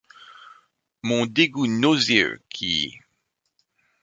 Mon dégoût nauséeux qui.